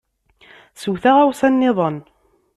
Sew taɣawsa niḍen.